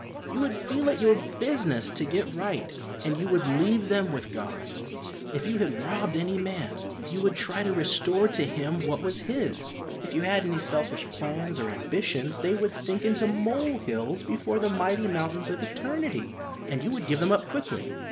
You would feel it your business to get right, and you would leave them with God. If you had robbed any man, you would try to restore to him what was his. If you had any selfish plans, or ambitions, they would sink into mole hills before the mighty mountains of eternity, and you would give them up quickly.